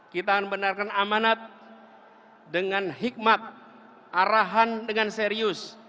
kita akan mendengarkan amanat dengan hikmat arahan dengan serius